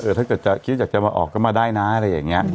ถ้าเกิดจะคิดอยากจะมาออกก็มาได้นะอะไรอย่างนี้